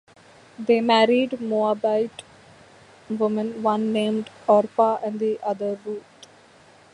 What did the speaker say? They married Moabite women, one named Orpah and the other Ruth.